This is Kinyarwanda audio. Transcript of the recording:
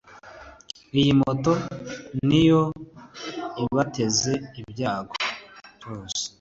Iyi moto niyo ibateza ibyago byose